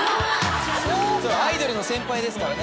アイドルの先輩ですからね。